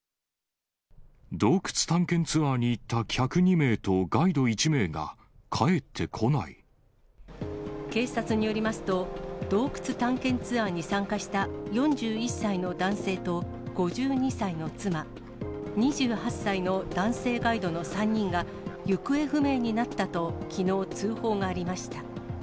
洞窟探検ツアーに行った客２警察によりますと、洞窟探検ツアーに参加した４１歳の男性と５２歳の妻、２８歳の男性ガイドの３人が行方不明になったと、きのう、通報がありました。